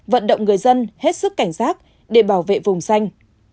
vận động người dân hết sức cảnh giác để bảo vệ vùng xanh